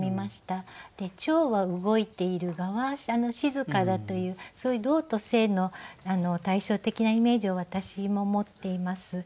ちょうは動いている蛾は静かだというそういう「動」と「静」の対照的なイメージを私も持っています。